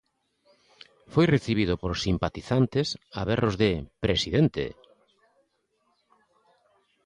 Foi recibido por simpatizantes a berros de "Presidente!".